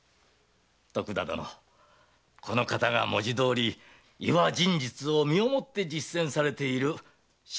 徳田殿この方が文字どおり「医は仁術」を身をもって実践されている篠田道庵殿です。